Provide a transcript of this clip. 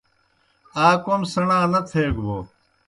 آ کوْم سیْݨا نہ تھیگہ بوْ